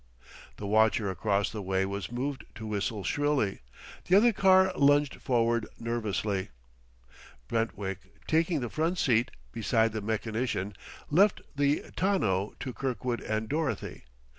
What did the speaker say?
The watcher across the way was moved to whistle shrilly; the other car lunged forward nervously. Brentwick taking the front seat, beside the mechanician, left the tonneau to Kirkwood and Dorothy.